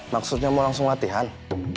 maksudnya mau langsung latihan